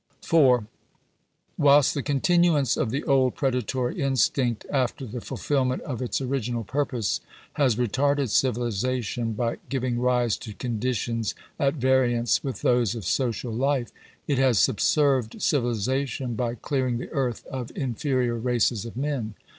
Whilst the continuance of the old predatory instinct after the fulfilment of its original purpose, has retarded civilization by giving rise to conditions at variance with those of social life, it has subserved civilization by clearing the earth of in ferior races of men.